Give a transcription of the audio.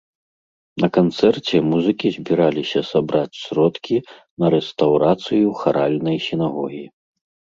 На канцэрце музыкі збіраліся сабраць сродкі на рэстаўрацыю харальнай сінагогі.